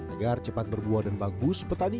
agar cepat berbuah dan bagus petani